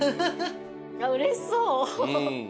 うれしそう。